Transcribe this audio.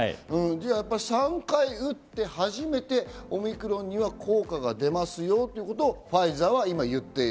じゃあ、３回打って初めてオミクロンには効果が出ますよということをファイザーは今言っている。